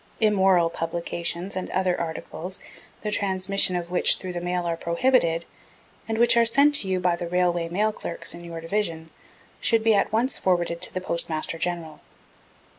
Immoral publications and other articles, the transmission of which through the mail are prohibited and which are sent to you by the Railway Mail Clerks in your Division should be at once forwarded to the Postmaster General.